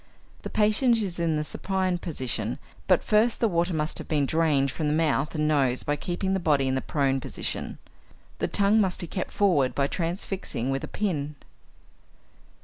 The patient is in the supine position but first the water must have been drained from the mouth and nose by keeping the body in the prone position. The tongue must be kept forward by transfixing with a pin.